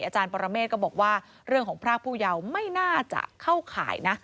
อาจารย์ปรเมฆก็บอกว่าเรื่องของพรากผู้เยาว์ไม่น่าจะเข้าข่ายนะ